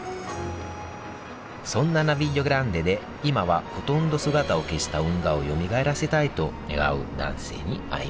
そんなナヴィリオ・グランデで今はほとんど姿を消した運河をよみがえらせたいと願う男性に会いました